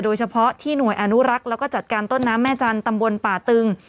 โดยเฉพาะที่หน่วยอนุรักษ์แล้วก็จัดการต้นน้ำแม่จันทร์ตำบลป่าตึง